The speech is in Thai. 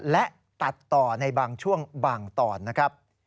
และตัดต่อในบางช่วงบางตอนนะครับ